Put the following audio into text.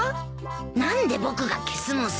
何で僕が消すのさ。